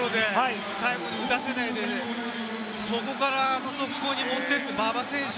最後に打たせないでそこからあの速攻に持っていく馬場選手。